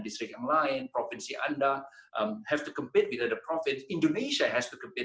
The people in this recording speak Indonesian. distrik yang lain provinsi anda harus berkompetisi dengan profit indonesia harus berkompetisi